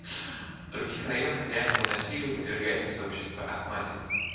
В других районах реальному насилию подвергается сообщество «Ахмадья».